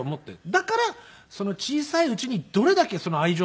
だから小さいうちにどれだけその愛情をもらえるか。